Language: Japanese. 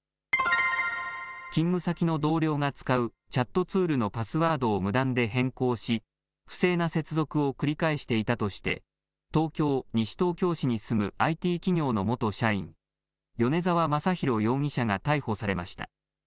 勤務先の同僚が使うチャットツールのパスワードを無断で変更し不正な接続を繰り返していたとして東京、西東京市に住むＩＴ企業の元社員米沢正寛容疑者が逮捕されました。